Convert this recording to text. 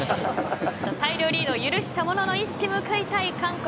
大量リードを許したものの一矢報いたい韓国。